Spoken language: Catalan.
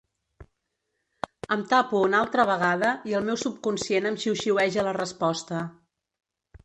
Em tapo una altra vegada i el meu subconscient em xiuxiueja la resposta.